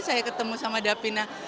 saya ketemu sama davina